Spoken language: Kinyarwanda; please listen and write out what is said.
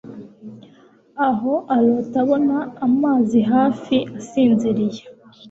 Aho arota abona amazi hafi asinziriye